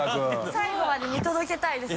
最後まで見届けたいです